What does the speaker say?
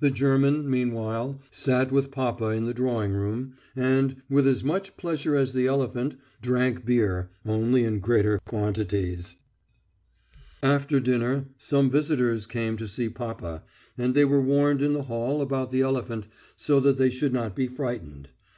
The German, meanwhile, sat with papa in the drawing room, and, with as much pleasure as the elephant, drank beer, only in greater quantities. After dinner some visitors came to see papa, and they were warned in the hall about the elephant so that they should not be frightened.